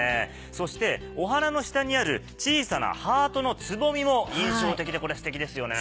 そしてお花の下にある小さなハートのつぼみも印象的でステキですよね。